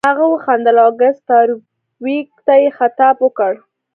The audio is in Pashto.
هغه وخندل او ګس فارویک ته یې خطاب وکړ